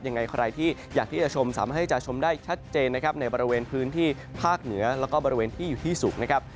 ยังไงใครที่อยากที่จะชมสามารถให้จะชมได้ชัดเจนนะครับในบริเวณพื้นที่ภาคเหนือแล้วก็บริเวณที่อยู่ที่สูงนะครับ